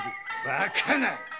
バカな。